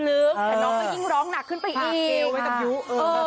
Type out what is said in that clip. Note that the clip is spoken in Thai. แต่น้องก็ยิ่งร้องหนักขึ้นไปอีก